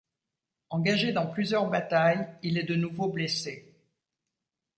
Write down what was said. Engagé dans plusieurs batailles, il est de nouveau blessé.